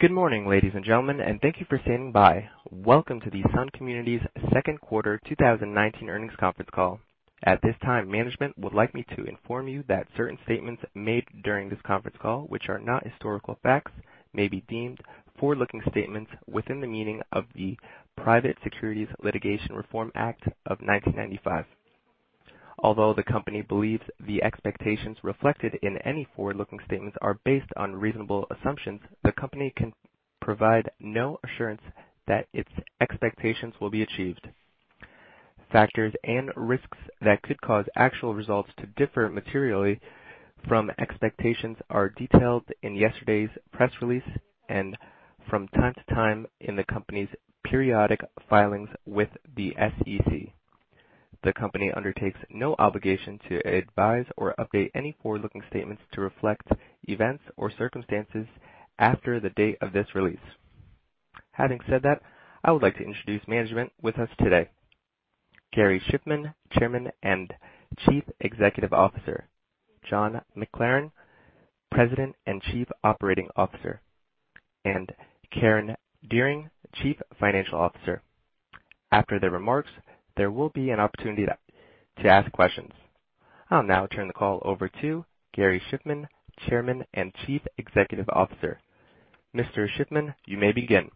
Good morning, ladies and gentlemen, and thank you for standing by. Welcome to Sun Communities Second Quarter 2019 Earnings Conference Call. At this time, management would like me to inform you that certain statements made during this conference call, which are not historical facts, may be deemed forward-looking statements within the meaning of the Private Securities Litigation Reform Act of 1995. Although the company believes the expectations reflected in any forward-looking statements are based on reasonable assumptions, the company can provide no assurance that its expectations will be achieved. Factors and risks that could cause actual results to differ materially from expectations are detailed in yesterday's press release, and from time to time in the company's periodic filings with the SEC. The company undertakes no obligation to advise or update any forward-looking statements to reflect events or circumstances after the date of this release. Having said that, I would like to introduce management with us today. Gary Shiffman, Chairman and Chief Executive Officer. John McLaren, President and Chief Operating Officer, and Karen Dearing, Chief Financial Officer. After their remarks, there will be an opportunity to ask questions. I'll now turn the call over to Gary Shiffman, Chairman and Chief Executive Officer. Mr. Shiffman, you may begin.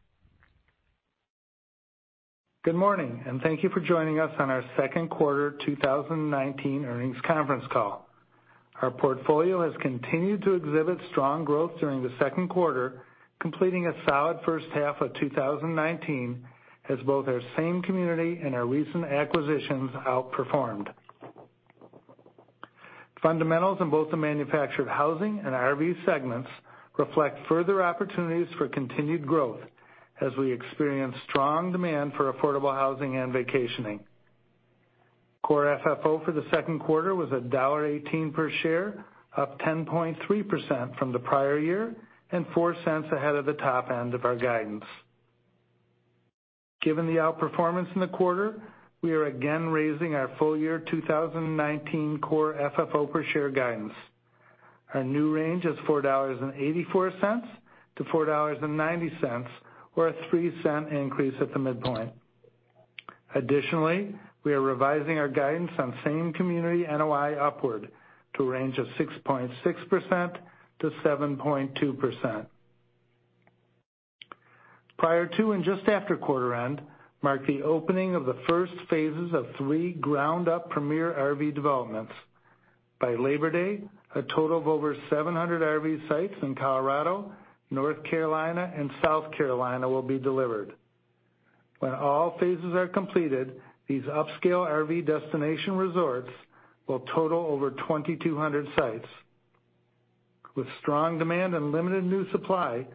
Good morning, and thank you for joining us on our second quarter 2019 earnings conference call. Our portfolio has continued to exhibit strong growth during the second quarter, completing a solid first half of 2019 as both our same community and our recent acquisitions outperformed. Fundamentals in both the manufactured housing and RV segments reflect further opportunities for continued growth as we experience strong demand for affordable housing and vacationing. Core FFO for the second quarter was $1.18 per share, up 10.3% from the prior year, and $0.04 ahead of the top end of our guidance. Given the outperformance in the quarter, we are again raising our full year 2019 core FFO per share guidance. Our new range is $4.84-$4.90, or a $0.03 increase at the midpoint. We are revising our guidance on same community NOI upward to a range of 6.6%-7.2%. Prior to and just after quarter end, marked the opening of the first phases of three ground-up premier RV developments. By Labor Day, a total of over 700 RV sites in Colorado, North Carolina, and South Carolina will be delivered. When all phases are completed, these upscale RV destination resorts will total over 2,200 sites. With strong demand and limited new supply,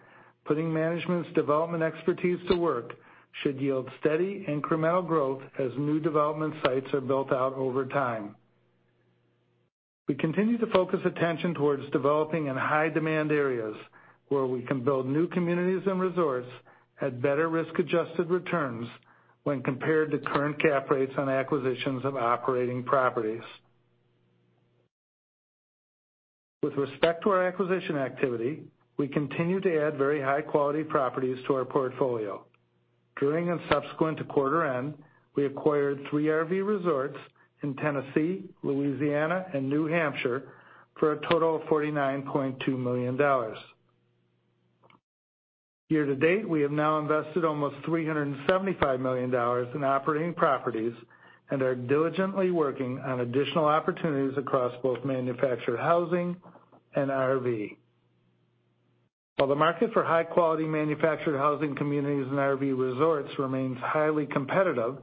putting management's development expertise to work should yield steady incremental growth as new development sites are built out over time. We continue to focus attention towards developing in high-demand areas where we can build new communities and resorts at better risk-adjusted returns when compared to current cap rates on acquisitions of operating properties. With respect to our acquisition activity, we continue to add very high-quality properties to our portfolio. During and subsequent to quarter end, we acquired three RV resorts in Tennessee, Louisiana, and New Hampshire for a total of $49.2 million. Year to date, we have now invested almost $375 million in operating properties and are diligently working on additional opportunities across both manufactured housing and RV. While the market for high-quality manufactured housing communities and RV resorts remains highly competitive,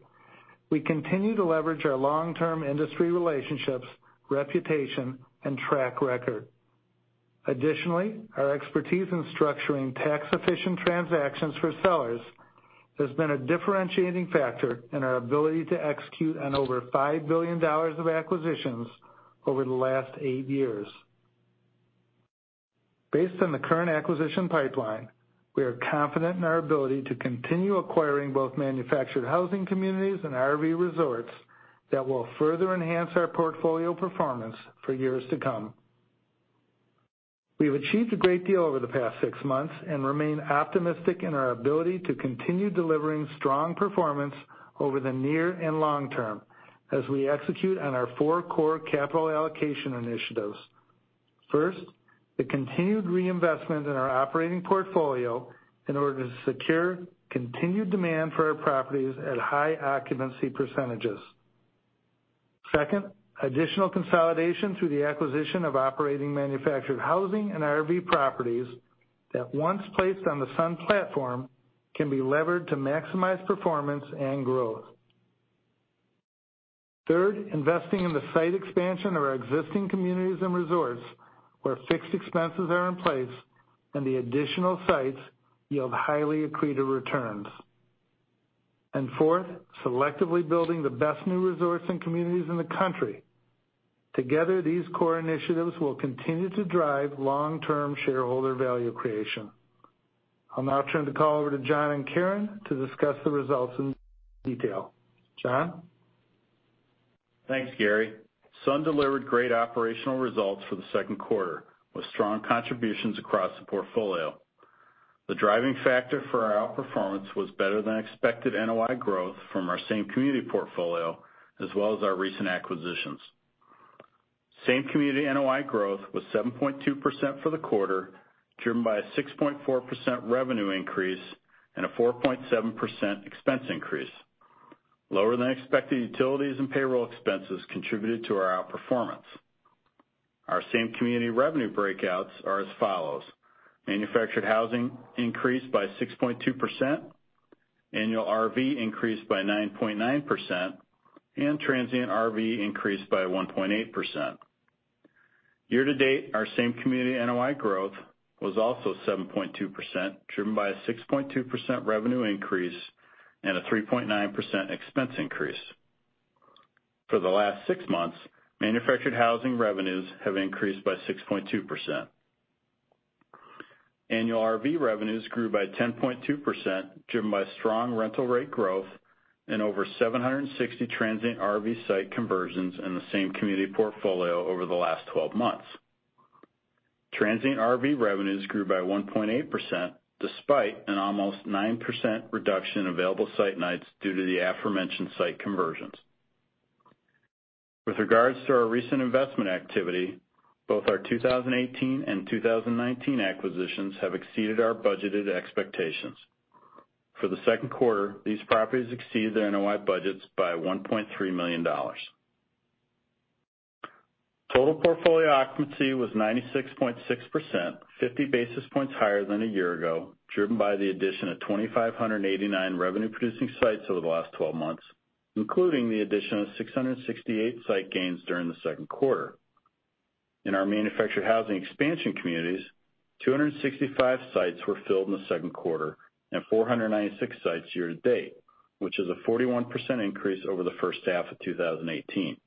we continue to leverage our long-term industry relationships, reputation, and track record. Additionally, our expertise in structuring tax-efficient transactions for sellers has been a differentiating factor in our ability to execute on over $5 billion of acquisitions over the last eight years. Based on the current acquisition pipeline, we are confident in our ability to continue acquiring both manufactured housing communities and RV resorts that will further enhance our portfolio performance for years to come. We have achieved a great deal over the past six months and remain optimistic in our ability to continue delivering strong performance over the near and long term as we execute on our four core capital allocation initiatives. First, the continued reinvestment in our operating portfolio in order to secure continued demand for our properties at high occupancy percentages. Second, additional consolidation through the acquisition of operating manufactured housing and RV properties that once placed on the Sun platform can be levered to maximize performance and growth. Third, investing in the site expansion of our existing communities and resorts where fixed expenses are in place and the additional sites yield highly accretive returns. Fourth, selectively building the best new resorts and communities in the country. Together, these core initiatives will continue to drive long-term shareholder value creation. I'll now turn the call over to John and Karen to discuss the results in detail. John? Thanks, Gary. Sun delivered great operational results for the second quarter, with strong contributions across the portfolio. The driving factor for our outperformance was better-than-expected NOI growth from our same community portfolio, as well as our recent acquisitions. Same community NOI growth was 7.2% for the quarter, driven by a 6.4% revenue increase and a 4.7% expense increase. Lower-than-expected utilities and payroll expenses contributed to our outperformance. Our same community revenue breakouts are as follows. Manufactured housing increased by 6.2%, annual RV increased by 9.9%, and transient RV increased by 1.8%. Year-to-date, our same community NOI growth was also 7.2%, driven by a 6.2% revenue increase and a 3.9% expense increase. For the last six months, manufactured housing revenues have increased by 6.2%. Annual RV revenues grew by 10.2%, driven by strong rental rate growth and over 760 transient RV site conversions in the same community portfolio over the last 12 months. Transient RV revenues grew by 1.8%, despite an almost 9% reduction in available site nights due to the aforementioned site conversions. With regards to our recent investment activity, both our 2018 and 2019 acquisitions have exceeded our budgeted expectations. For the second quarter, these properties exceeded their NOI budgets by $1.3 million. Total portfolio occupancy was 96.6%, 50 basis points higher than a year ago, driven by the addition of 2,589 revenue-producing sites over the last 12 months, including the addition of 668 site gains during the second quarter. In our manufactured housing expansion communities, 265 sites were filled in the second quarter and 496 sites year-to-date, which is a 41% increase over the first half of 2018.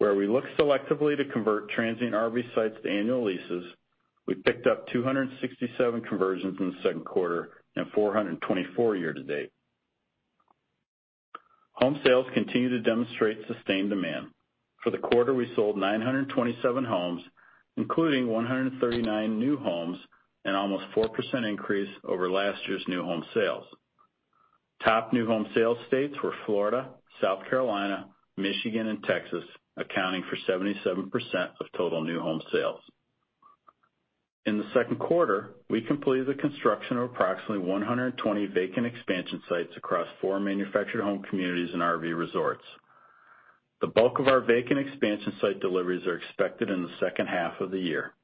Where we look selectively to convert transient RV sites to annual leases, we picked up 267 conversions in the second quarter and 424 year-to-date. Home sales continue to demonstrate sustained demand. For the quarter, we sold 927 homes, including 139 new homes, an almost 4% increase over last year's new home sales. Top new home sales states were Florida, South Carolina, Michigan, and Texas, accounting for 77% of total new home sales. In the second quarter, we completed the construction of approximately 120 vacant expansion sites across four manufactured home communities and RV resorts. The bulk of our vacant expansion site deliveries are expected in the second half of the year.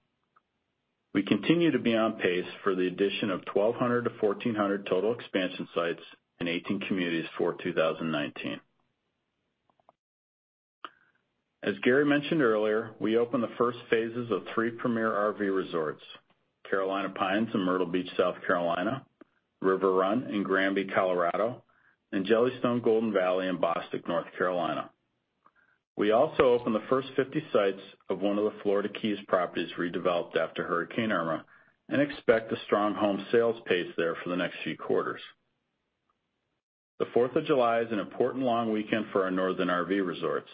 We continue to be on pace for the addition of 1,200-1,400 total expansion sites in 18 communities for 2019. As Gary Shiffman mentioned earlier, we opened the first phases of three premier RV resorts, Carolina Pines in Myrtle Beach, South Carolina, River Run in Granby, Colorado, and Jellystone Golden Valley in Bostic, North Carolina. We also opened the first 50 sites of one of the Florida Keys properties redeveloped after Hurricane Irma and expect a strong home sales pace there for the next few quarters. The Fourth of July is an important long weekend for our northern RV resorts.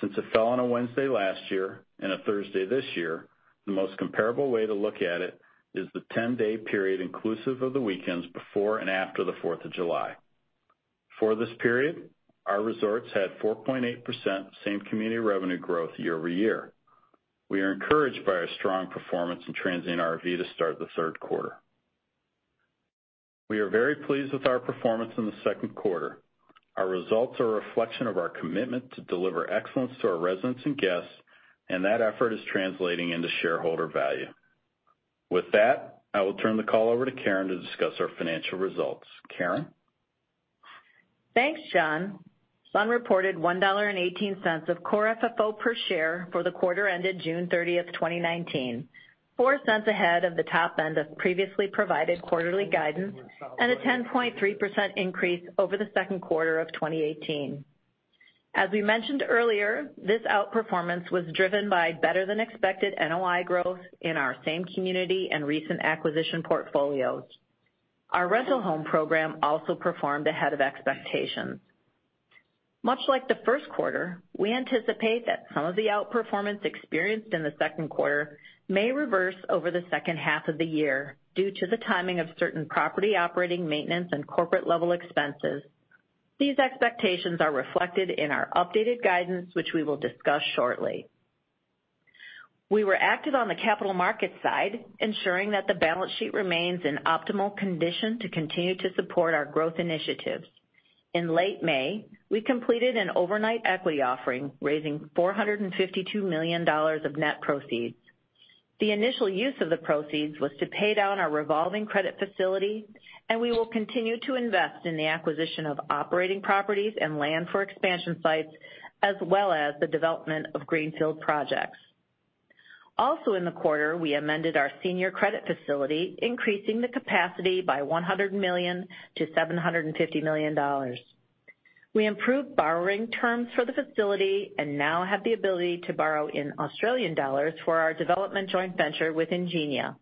Since it fell on a Wednesday last year and a Thursday this year, the most comparable way to look at it is the 10-day period inclusive of the weekends before and after the Fourth of July. For this period, our resorts had 4.8% same-community revenue growth year-over-year. We are encouraged by our strong performance in transient RV to start the third quarter. We are very pleased with our performance in the second quarter. Our results are a reflection of our commitment to deliver excellence to our residents and guests, and that effort is translating into shareholder value. With that, I will turn the call over to Karen to discuss our financial results. Karen? Thanks, John. Sun Communities reported $1.18 of core FFO per share for the quarter ended June 30th, 2019, $0.04 ahead of the top end of previously provided quarterly guidance, and a 10.3% increase over the second quarter of 2018. As we mentioned earlier, this outperformance was driven by better-than-expected NOI growth in our same community and recent acquisition portfolios. Our rental home program also performed ahead of expectations. Much like the first quarter, we anticipate that some of the outperformance experienced in the second quarter may reverse over the second half of the year due to the timing of certain property operating maintenance and corporate-level expenses. These expectations are reflected in our updated guidance, which we will discuss shortly. We were active on the capital market side, ensuring that the balance sheet remains in optimal condition to continue to support our growth initiatives. In late May, we completed an overnight equity offering, raising $452 million of net proceeds. The initial use of the proceeds was to pay down our revolving credit facility, and we will continue to invest in the acquisition of operating properties and land for expansion sites, as well as the development of greenfield projects. Also in the quarter, we amended our senior credit facility, increasing the capacity by $100 million-$750 million. We improved borrowing terms for the facility and now have the ability to borrow in Australian dollars for our development joint venture with Ingenia.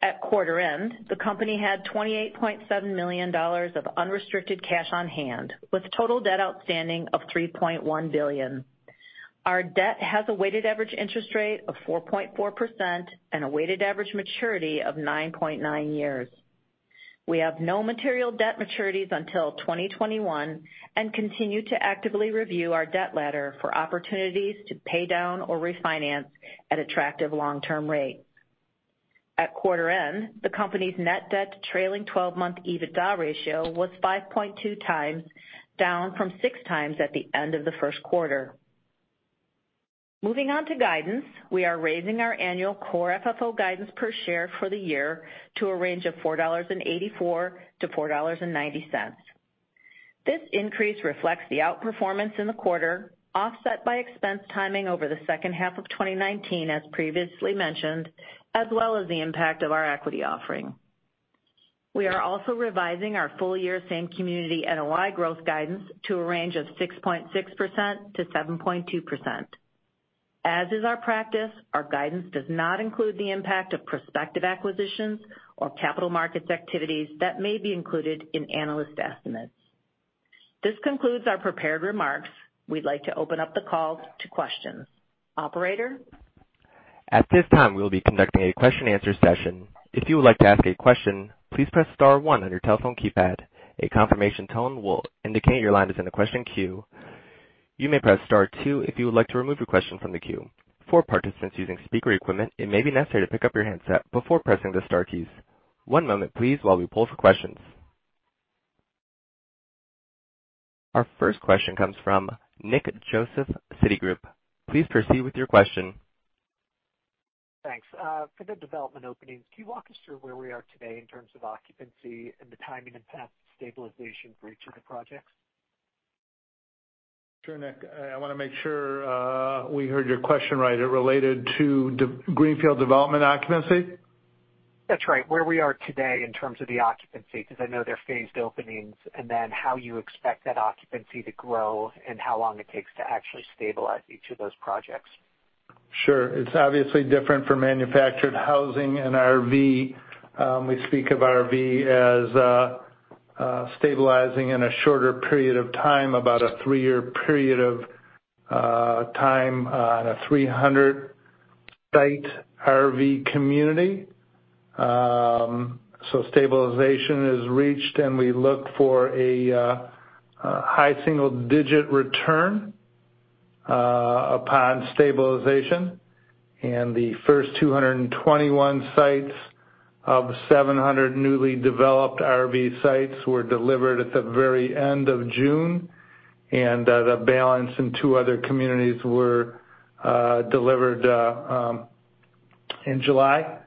At quarter end, the company had $28.7 million of unrestricted cash on hand, with total debt outstanding of $3.1 billion. Our debt has a weighted average interest rate of 4.4% and a weighted average maturity of 9.9 years. We have no material debt maturities until 2021 and continue to actively review our debt ladder for opportunities to pay down or refinance at attractive long-term rates. At quarter end, the company's net debt trailing 12-month EBITDA ratio was 5.2x, down from 6x at the end of the first quarter. Moving on to guidance, we are raising our annual core FFO guidance per share for the year to a range of $4.84-$4.90. This increase reflects the outperformance in the quarter, offset by expense timing over the second half of 2019, as previously mentioned, as well as the impact of our equity offering. We are also revising our full-year same community NOI growth guidance to a range of 6.6%-7.2%. As is our practice, our guidance does not include the impact of prospective acquisitions or capital markets activities that may be included in analyst estimates. This concludes our prepared remarks. We'd like to open up the call to questions. Operator? At this time, we'll be conducting a question-answer session. If you would like to ask a question, please press star one on your telephone keypad. A confirmation tone will indicate your line is in the question queue. You may press star two if you would like to remove your question from the queue. For participants using speaker equipment, it may be necessary to pick up your handset before pressing the star keys. One moment please while we pull for questions. Our first question comes from Nick Joseph, Citigroup. Please proceed with your question. Thanks. For the development openings, can you walk us through where we are today in terms of occupancy and the timing and path to stabilization for each of the projects? Sure, Nick. I want to make sure we heard your question right. It related to greenfield development occupancy? That's right. Where we are today in terms of the occupancy, because I know they're phased openings, and then how you expect that occupancy to grow and how long it takes to actually stabilize each of those projects. Sure. It's obviously different for manufactured housing and RV. We speak of RV as stabilizing in a shorter period of time, about a three-year period of time on a 300-site RV community. Stabilization is reached, and we look for a high single-digit return upon stabilization. The first 221 sites of 700 newly developed RV sites were delivered at the very end of June, and the balance in two other communities were delivered in July,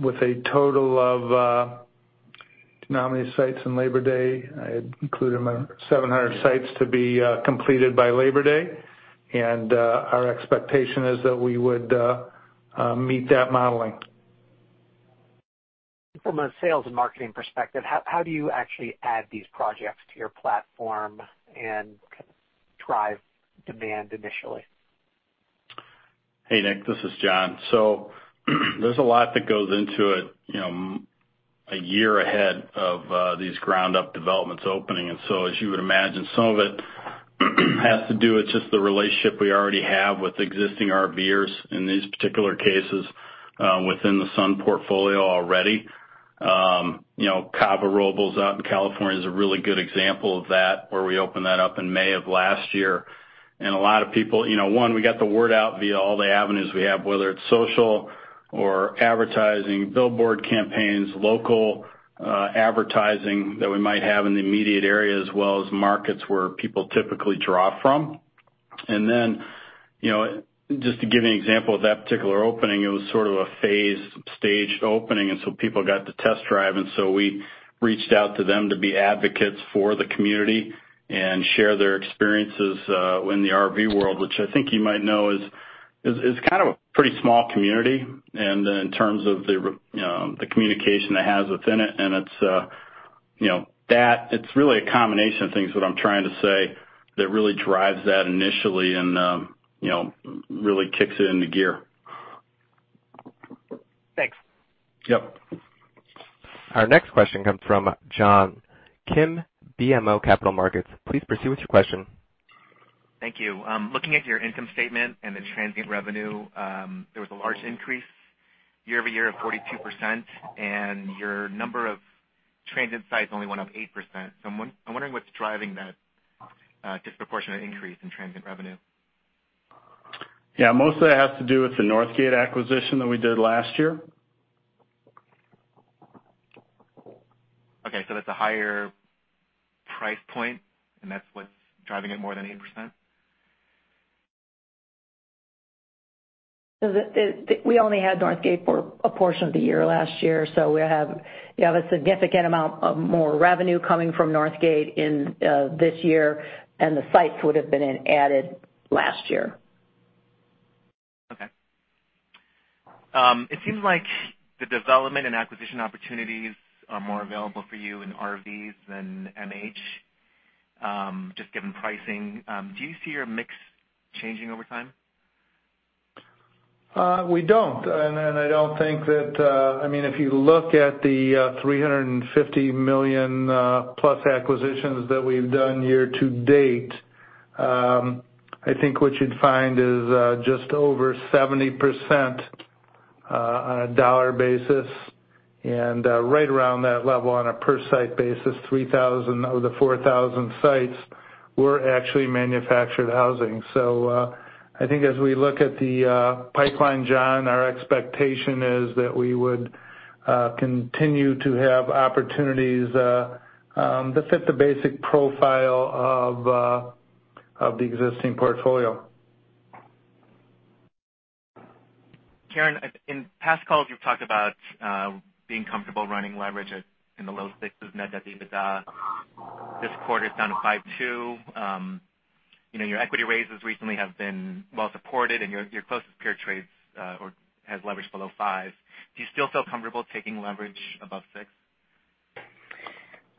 with a total of How many sites in Labor Day? I had included my 700 sites to be completed by Labor Day, and our expectation is that we would meet that modeling. From a sales and marketing perspective, how do you actually add these projects to your platform and drive demand initially? Hey, Nick, this is John. There's a lot that goes into it a year ahead of these ground-up developments opening. As you would imagine, some of it has to do with just the relationship we already have with existing RVers, in these particular cases within the Sun portfolio already. Cava Robles out in California is a really good example of that, where we opened that up in May of last year. A lot of people, one, we got the word out via all the avenues we have, whether it's social or advertising, billboard campaigns, local advertising that we might have in the immediate area, as well as markets where people typically draw from. Then, just to give you an example of that particular opening, it was sort of a phased, staged opening. People got to test drive. We reached out to them to be advocates for the community and share their experiences in the RV world, which I think you might know is kind of a pretty small community in terms of the communication it has within it. It's really a combination of things that I'm trying to say that really drives that initially and really kicks it into gear. Thanks. Yep. Our next question comes from John Kim, BMO Capital Markets. Please proceed with your question. Thank you. Looking at your income statement and the transient revenue, there was a large increase year-over-year of 42%, and your number of transient sites only went up 8%. I'm wondering what's driving that disproportionate increase in transient revenue. Yeah, mostly it has to do with the Northgate acquisition that we did last year. Okay, that's a higher price point, and that's what's driving it more than 8%? We only had Northgate for a portion of the year last year, so you have a significant amount of more revenue coming from Northgate in this year, and the sites would have been added last year. Okay. It seems like the development and acquisition opportunities are more available for you in RVs than MH. Just given pricing, do you see your mix changing over time? We don't. If you look at the $350 million+ acquisitions that we've done year to date, I think what you'd find is just over 70% on a dollar basis and right around that level on a per site basis, 3,000 of the 4,000 sites were actually manufactured housing. I think as we look at the pipeline, John, our expectation is that we would continue to have opportunities that fit the basic profile of the existing portfolio. Karen, in past calls, you've talked about being comfortable running leverage at in the low sixes net debt to EBITDA. This quarter, it's down to 5.2x. Your equity raises recently have been well supported and your closest peer trades has leverage below 5x. Do you still feel comfortable taking leverage above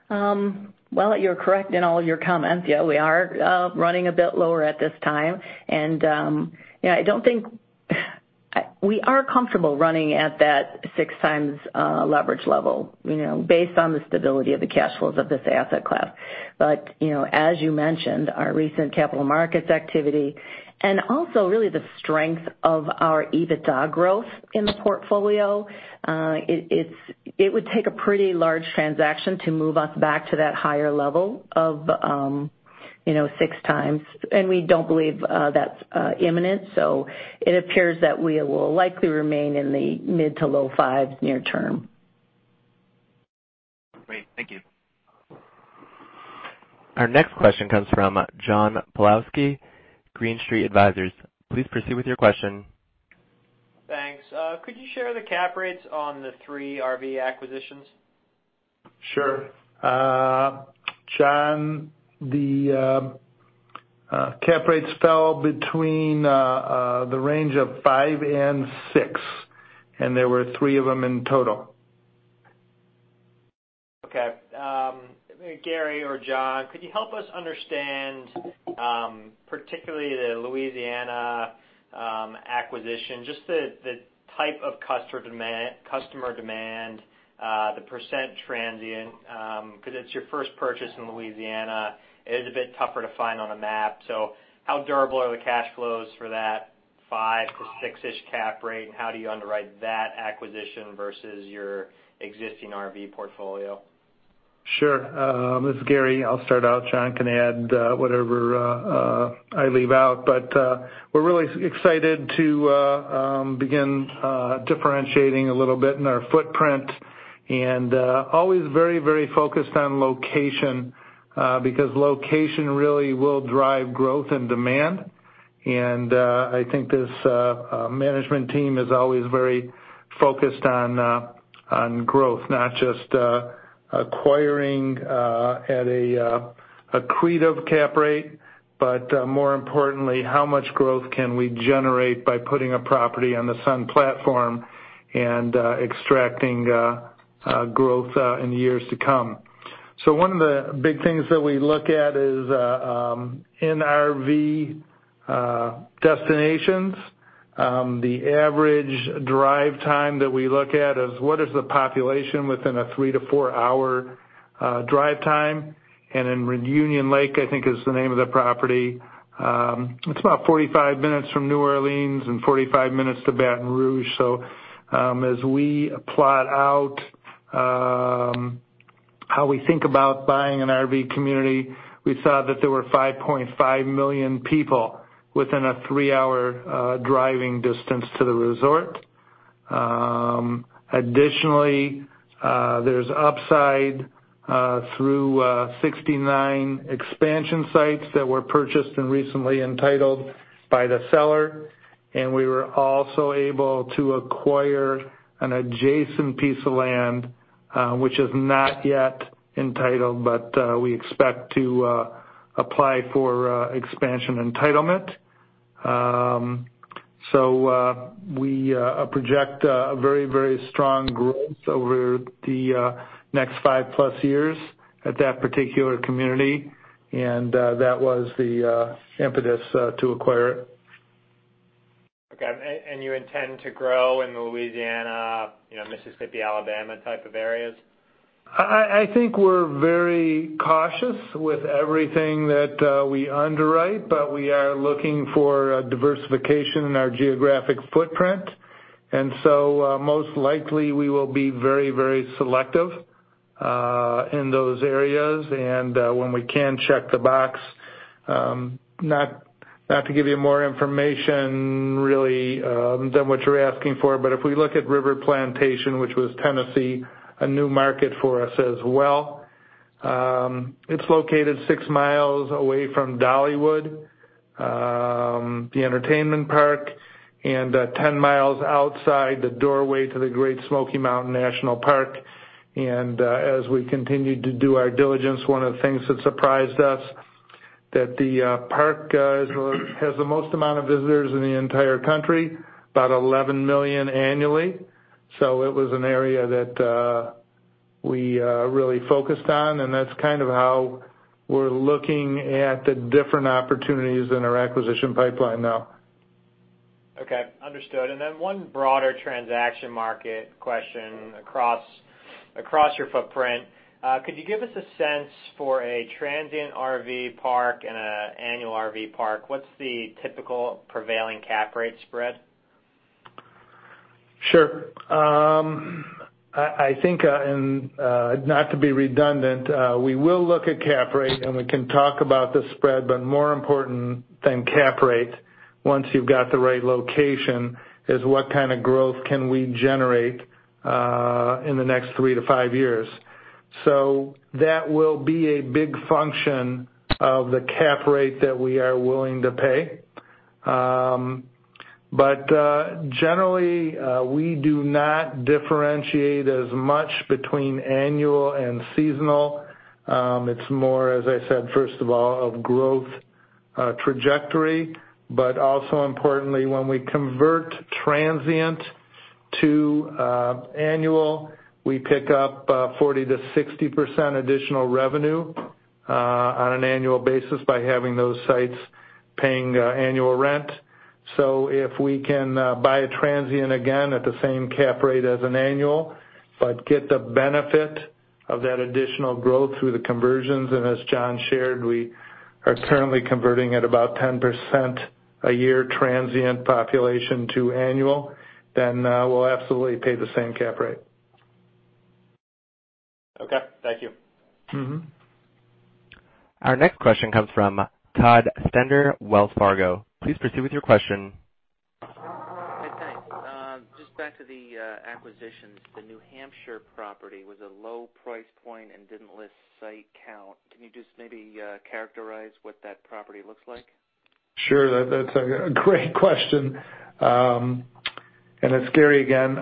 6x? You're correct in all your comments. We are running a bit lower at this time, and we are comfortable running at that 6x leverage level based on the stability of the cash flows of this asset class. As you mentioned, our recent capital markets activity and also really the strength of our EBITDA growth in the portfolio. It would take a pretty large transaction to move us back to that higher level of 6x, and we don't believe that's imminent. It appears that we will likely remain in the mid to low 5x near term. Great. Thank you. Our next question comes from John Pawlowski, Green Street Advisors. Please proceed with your question. Thanks. Could you share the cap rates on the three RV acquisitions? Sure. John, the cap rates fell between the range of 5% and 6%, and there were three of them in total. Okay. Gary Shiffman or John, could you help us understand, particularly the Louisiana acquisition, just the type of customer demand, the percent transient, because it's your first purchase in Louisiana. It is a bit tougher to find on a map. How durable are the cash flows for that 5%-6%-ish cap rate, and how do you underwrite that acquisition versus your existing RV portfolio? Sure. This is Gary. I'll start out. John can add whatever I leave out. We're really excited to begin differentiating a little bit in our footprint and always very focused on location, because location really will drive growth and demand. I think this management team is always very focused on growth, not just acquiring at a accretive cap rate, but more importantly, how much growth can we generate by putting a property on the Sun platform and extracting growth in the years to come. One of the big things that we look at is in RV destinations. The average drive time that we look at is what is the population within a three to four-hour drive time, and in Reunion Lake, I think is the name of the property. It's about 45 minutes from New Orleans and 45 minutes to Baton Rouge. As we plot out how we think about buying an RV community, we saw that there were 5.5 million people within a three-hour driving distance to the resort. Additionally, there's upside through 69 expansion sites that were purchased and recently entitled by the seller, and we were also able to acquire an adjacent piece of land, which is not yet entitled, but we expect to apply for expansion entitlement. We project a very strong growth over the next five-plus years at that particular community, and that was the impetus to acquire it. Okay. You intend to grow in the Louisiana, Mississippi, Alabama type of areas? I think we're very cautious with everything that we underwrite, but we are looking for diversification in our geographic footprint. So most likely we will be very selective in those areas, and when we can check the box. Not to give you more information, really, than what you're asking for, but if we look at River Plantation, which was Tennessee, a new market for us as well. It's located 6 mi away from Dollywood, the entertainment park, and 10 mi outside the doorway to the Great Smoky Mountains National Park. As we continued to do our diligence, one of the things that surprised us that the park has the most amount of visitors in the entire country, about 11 million annually. It was an area that we really focused on, and that's kind of how we're looking at the different opportunities in our acquisition pipeline now. Okay, understood. One broader transaction market question across your footprint. Could you give us a sense for a transient RV park and annual RV park, what's the typical prevailing cap rate spread? Sure. I think, not to be redundant, we will look at cap rate, and we can talk about the spread, but more important than cap rate, once you've got the right location, is what kind of growth can we generate in the next three to five years. That will be a big function of the cap rate that we are willing to pay. Generally, we do not differentiate as much between annual and seasonal. It's more, as I said, first of all, of growth trajectory, but also importantly, when we convert transient to annual, we pick up 40%-60% additional revenue on an annual basis by having those sites paying annual rent. If we can buy a transient again at the same cap rate as an annual, but get the benefit of that additional growth through the conversions, and as John shared, we are currently converting at about 10% a year transient population to annual, then we'll absolutely pay the same cap rate. Okay. Thank you. Our next question comes from Todd Stender, Wells Fargo. Please proceed with your question. Hey, thanks. Just back to the acquisitions. The New Hampshire property was a low price point and didn't list site count. Can you just maybe characterize what that property looks like? Sure. That's a great question. It's Gary again,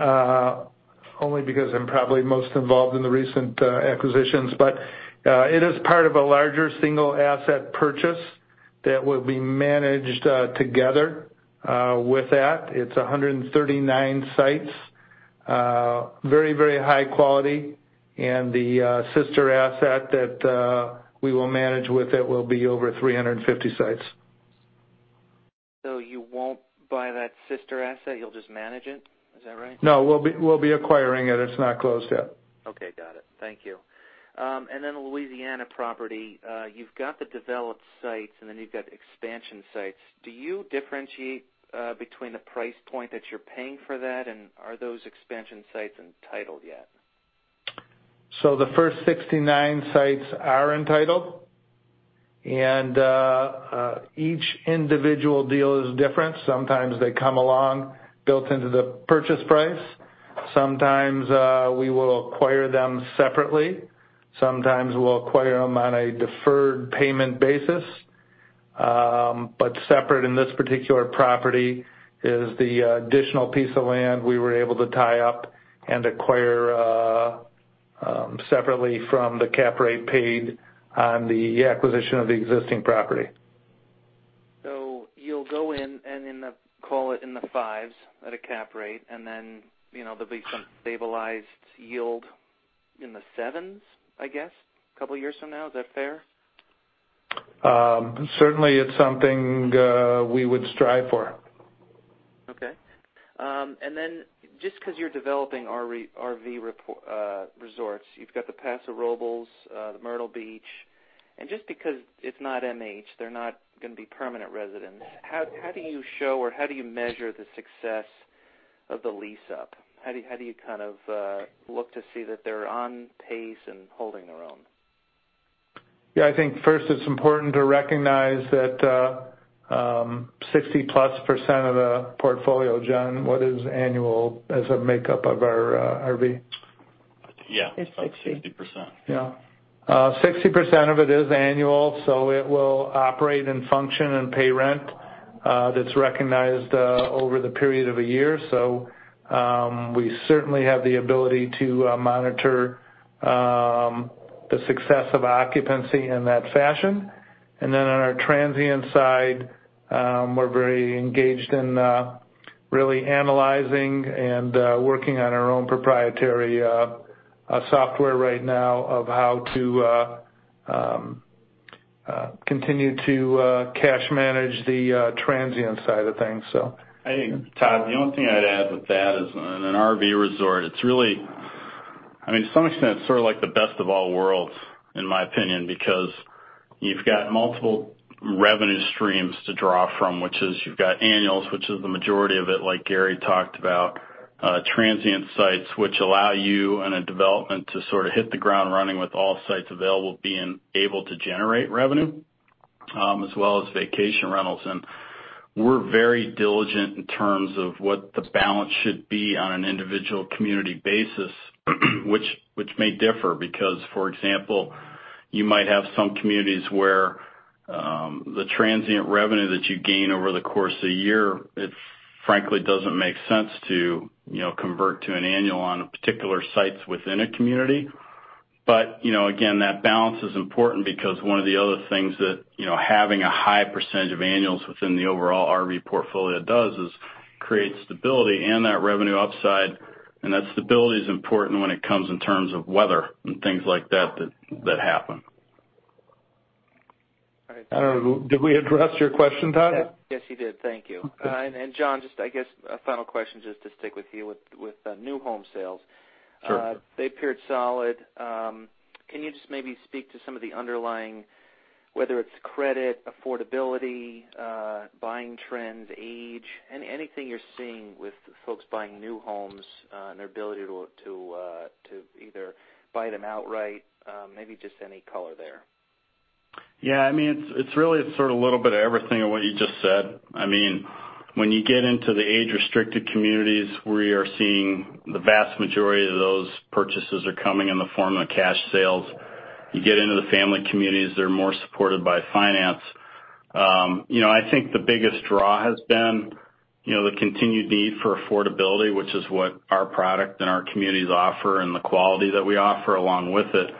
only because I'm probably most involved in the recent acquisitions. It is part of a larger single-asset purchase that will be managed together with that. It's 139 sites. Very high quality, the sister asset that we will manage with it will be over 350 sites. You won't buy that sister asset, you'll just manage it? Is that right? No, we'll be acquiring it. It's not closed yet. Okay, got it. Thank you. The Louisiana property. You've got the developed sites, and then you've got expansion sites. Do you differentiate between the price point that you're paying for that? Are those expansion sites entitled yet? The first 69 sites are entitled, and each individual deal is different. Sometimes they come along built into the purchase price. Sometimes we will acquire them separately. Sometimes we'll acquire them on a deferred payment basis. Separate in this particular property is the additional piece of land we were able to tie up and acquire separately from the cap rate paid on the acquisition of the existing property. You'll go in and call it in the 5s at a cap rate, and then there'll be some stabilized yield in the 7s, I guess, a couple of years from now. Is that fair? Certainly it's something we would strive for. Okay. Just because you're developing RV resorts, you've got the Paso Robles, the Myrtle Beach, and just because it's not MH, they're not going to be permanent residents. How do you show or how do you measure the success of the lease-up? How do you look to see that they're on pace and holding their own? Yeah, I think first it's important to recognize that 60%+ of the portfolio, John, what is annual as a makeup of our RV? Yeah. It's 60%. Yeah. 60% of it is annual, it will operate and function and pay rent that's recognized over the period of a year. We certainly have the ability to monitor the success of occupancy in that fashion. On our transient side, we're very engaged in really analyzing and working on our own proprietary software right now of how to continue to cash manage the transient side of things. Todd, the only thing I'd add with that is in an RV resort, it's really to some extent, sort of like the best of all worlds, in my opinion, because you've got multiple revenue streams to draw from, which is you've got annuals, which is the majority of it, like Gary talked about. Transient sites, which allow you in a development to sort of hit the ground running with all sites available, being able to generate revenue, as well as vacation rentals. We're very diligent in terms of what the balance should be on an individual community basis, which may differ, because, for example, you might have some communities where the transient revenue that you gain over the course of a year, it's frankly doesn't make sense to convert to an annual on particular sites within a community. Again, that balance is important because one of the other things that having a high percentage of annuals within the overall RV portfolio does is create stability and that revenue upside, and that stability is important when it comes in terms of weather and things like that that happen. All right. I don't know. Did we address your question, Todd? Yes, you did. Thank you. Okay. John, just I guess a final question just to stick with you with new home sales. Sure. They appeared solid. Can you just maybe speak to some of the underlying, whether it is credit, affordability, buying trends, age, anything you are seeing with folks buying new homes, and their ability to either buy them outright, maybe just any color there? Yeah. It's really sort of a little bit of everything of what you just said. When you get into the age-restricted communities, we are seeing the vast majority of those purchases are coming in the form of cash sales. You get into the family communities, they're more supported by finance. I think the biggest draw has been the continued need for affordability, which is what our product and our communities offer and the quality that we offer along with it.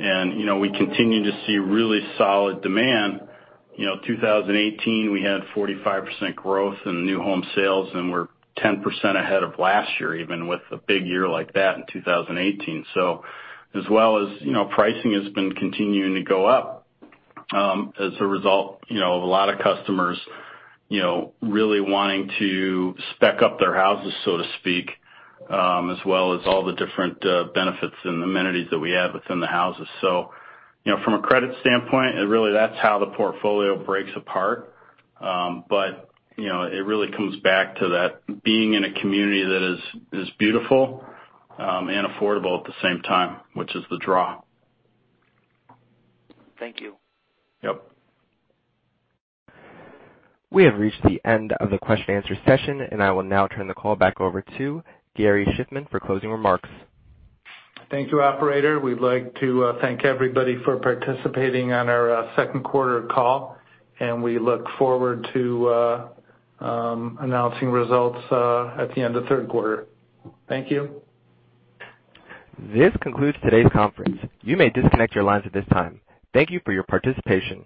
We continue to see really solid demand. 2018, we had 45% growth in new home sales, and we're 10% ahead of last year, even with a big year like that in 2018. As well as pricing has been continuing to go up. As a result, a lot of customers really wanting to spec up their houses, so to speak, as well as all the different benefits and amenities that we have within the houses. From a credit standpoint, really that's how the portfolio breaks apart. It really comes back to that being in a community that is beautiful and affordable at the same time, which is the draw. Thank you. Yep. We have reached the end of the question and answer session, and I will now turn the call back over to Gary Shiffman for closing remarks. Thank you, operator. We'd like to thank everybody for participating on our second quarter call. We look forward to announcing results at the end of third quarter. Thank you. This concludes today's conference. You may disconnect your lines at this time. Thank you for your participation.